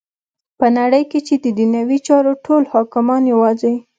په نړی کی چی ددنیوی چارو ټول حاکمان یواځی